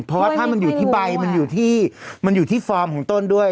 เพราะว่าถ้ามันอยู่ที่ใบมันอยู่ที่ฟอร์มของต้นด้วย